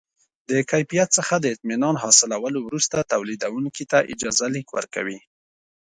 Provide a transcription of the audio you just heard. د کیفیت څخه د اطمینان حاصلولو وروسته تولیدوونکي ته اجازه لیک ورکوي.